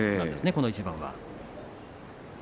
この一番は。